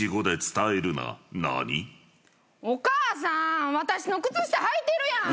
お母さん私のくつ下はいてるやん。